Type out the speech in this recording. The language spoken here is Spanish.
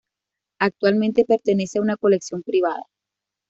Actualmente pertenece a una colección privada.